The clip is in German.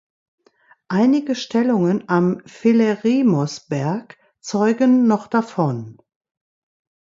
Einige Stellungen am Filerimos-Berg zeugen noch davon.